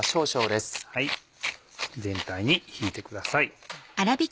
全体にひいてください。